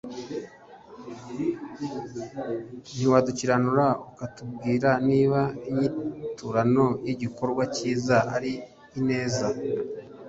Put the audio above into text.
ntiwadukiranura ukatubwira niba inyiturano y'igikorwa kiza ari ineza